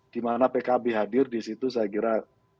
di mana pkb hadir disitu saya kira